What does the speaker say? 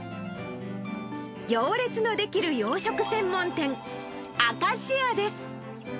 行列の出来る洋食専門店、アカシアです。